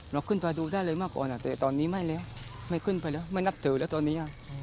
เราเข้าไปดูได้เลยมากก่อนแต่ว่าตอนนี้ไม่ขึ้นไปแล้วไม่นับเท่าละตอนนี้